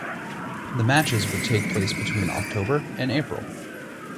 The matches would take place between October and April.